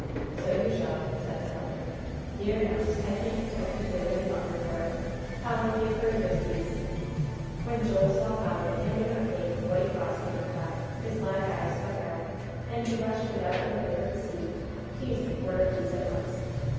"So you shall," said her mother; "dear knows, I can't expect you to wait any longer for it. Polly, give her a good piece." When Joel saw Polly handing out cake with white frosting on top, his black eyes stuck out, and he rushed without delay for his seat, teasing for a piece at once.